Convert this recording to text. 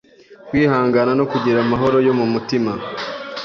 kwihangana no kugira amahoro yo mu mutima